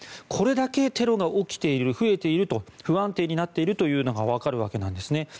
これだけテロが起きている増えている不安定になっているのが分かるわけなんですね。